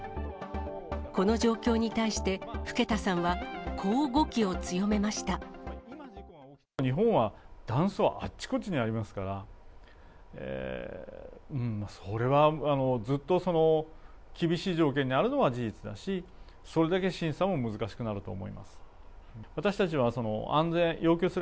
この状況に対して、更田さんは、日本は、断層あっちこっちにありますから、それはずっとその、厳しい条件にあるのは事実だし、それだけ審査も難しくなると思います。